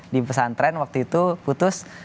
dipesan tren waktu itu putus